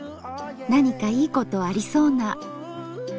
何かいいことありそうな。